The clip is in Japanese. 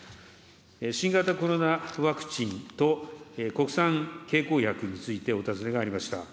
新型コロナワクチンと国産経口薬についてお尋ねがありました。